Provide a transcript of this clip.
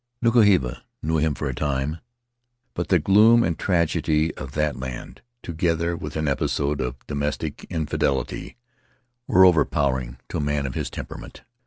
Nuku hiva knew him for a time, but the gloom and tragedy of that land — together with an episode of domestic infelicity — were overpowering to a man of his tempera ment.